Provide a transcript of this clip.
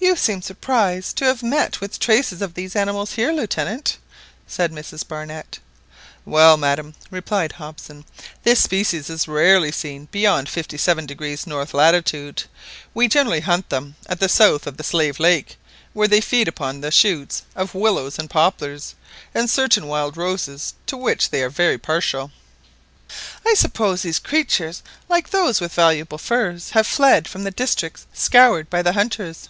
"You seem surprised to have met with traces of these animals here, Lieutenant," said Mrs Barnett. "Well, madam," replied Hobson, "this species is rarely seen beyond 57° N. lat. We generally hunt them at the south of the Slave Lake, where they feed upon the shoots of willows and poplars, and certain wild roses to which they are very partial." "I suppose these creatures, like those with valuable furs, have fled from the districts scoured by the hunters."